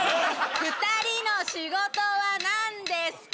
２人の仕事は何ですか？